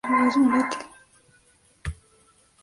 Lo contrario de refractario es volátil.